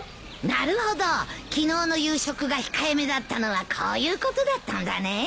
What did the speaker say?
なるほど昨日の夕食が控えめだったのはこういうことだったんだね。